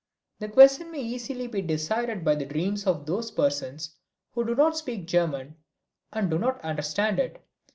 The question may easily be decided by the dreams of those persons who do not speak German and do not understand it.